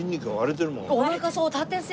おなかそう縦線。